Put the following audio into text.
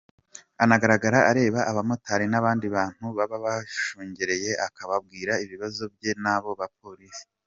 Anagaragara areba abamotari n’abandi bantu baba bashungereye, akababwira ibibazo bye n’abo bapolisi.